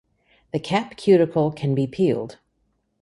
The cap cuticle can be peeled.